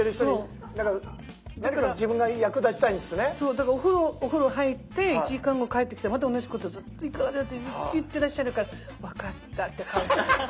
だからお風呂入って１時間後帰ってきてまた同じこと「いかがですか？」ってずっと言ってらっしゃるから「分かった」って買うの。